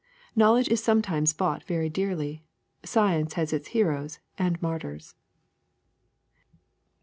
Knowledge is sometimes bought very dearly. Sci ence has its heroes and martyrs.''